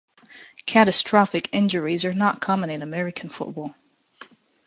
Catastrophic injuries are not common in American football.